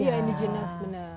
iya indigenous benar